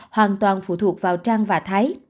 hoàn toàn phụ thuộc vào trang và thái